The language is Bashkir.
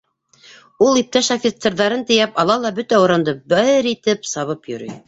Ул иптәш офицерҙарын тейәп ала ла бөтә урамды бер итеп сабып йөрөй.